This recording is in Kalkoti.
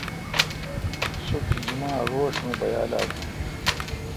سو جیجما روݭ می بیال اشو۔